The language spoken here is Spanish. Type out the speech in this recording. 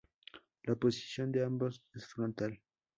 La posición de ambos es frontal.